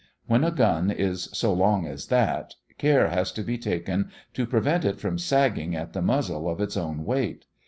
When a gun is as long as that, care has to be taken to prevent it from sagging at the muzzle of its own weight.